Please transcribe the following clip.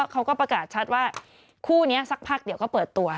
เขาก็ประกาศชัดว่าคู่นี้สักพักเดี๋ยวก็เปิดตัว